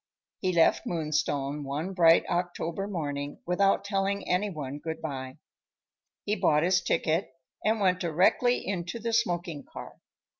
He left Moonstone one bright October morning, without telling any one good bye. He bought his ticket and went directly into the smoking car.